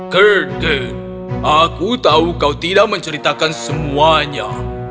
kerke aku tahu kau tidak menceritakan semuanya